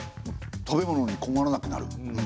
食べ物に困らなくなる？